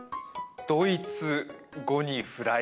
ドイツ語にフライ。